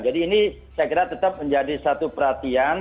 jadi ini saya kira tetap menjadi satu perhatian